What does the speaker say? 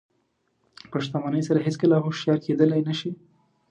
په شتمنۍ سره هېڅکله هوښیار کېدلی نه شئ.